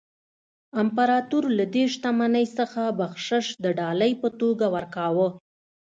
امپراتور له دې شتمنۍ څخه بخشش د ډالۍ په توګه ورکاوه.